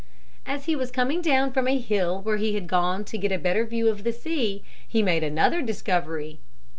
As he was coming down from a hill where he had gone to get a better view of the sea he made another discovery.